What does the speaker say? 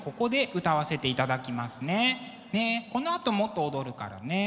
このあともっと踊るからね。